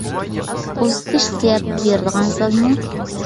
ئۇزىتىش زىياپىتى بېرىدىغان زالمۇ؟